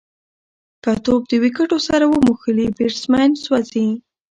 که توپ د وکټو سره وموښلي، بېټسمېن سوځي.